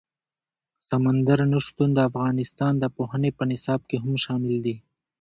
سمندر نه شتون د افغانستان د پوهنې په نصاب کې هم شامل دي.